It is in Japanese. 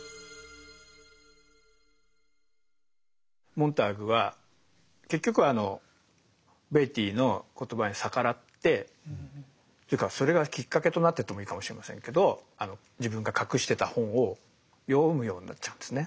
モンターグは結局はあのベイティーの言葉に逆らってというかそれがきっかけとなってとも言えるかもしれませんけど自分が隠してた本を読むようになっちゃうんですね。